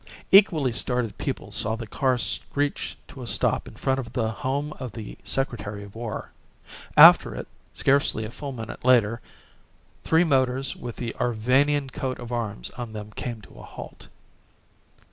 Equally startled people saw the car screech to a stop in front of the home of the Secretary of War. After it, scarcely a full minute later, three motors with the Arvanian coat of arms on them came to a halt.